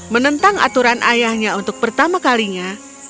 menentang aturan ayahnya untuk pertama kalinya